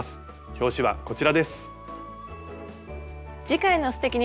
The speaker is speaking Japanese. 表紙はこちらです。